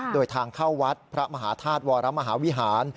โดยทางเข้าวัดพระมหาธาตุวรมหาวิหาร